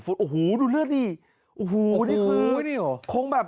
ฟุโอ้โฮดูเลือดดีโอ้โฮนี่คือโอ้โฮนี่หรอ